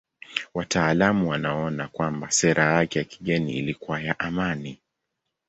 Wataalamu wanaona kwamba sera yake ya kigeni ilikuwa ya amani.